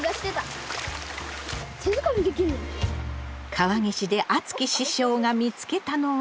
川岸であつき師匠が見つけたのは。